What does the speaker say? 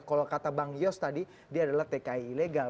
kalau kata bang yos tadi dia adalah tki ilegal